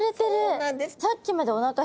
そうなんですよ。